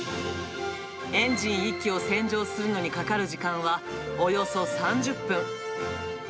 エンジン１基を洗浄するのにかかる時間はおよそ３０分。